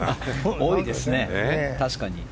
多いですね、確かに。